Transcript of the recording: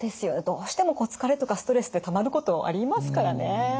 どうしても疲れとかストレスってたまることありますからね。